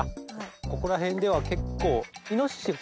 ここら辺では結構。